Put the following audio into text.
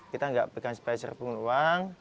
kita tidak pegang sepaisa serpun uang